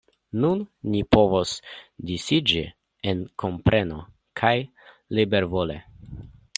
Nun ni povos disiĝi en kompreno — kaj libervole.